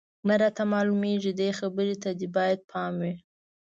نه راته معلومېږي، دې خبرې ته دې باید پام وي.